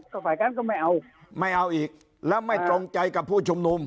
ก็ฝ่ายค้านก็ไม่เอาไม่เอาอีกแล้วไม่ตรงใจกับผู้ชุมนุม